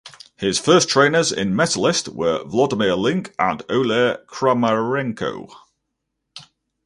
His first trainers in Metalist were Volodymyr Linke and Oleh Kramarenko.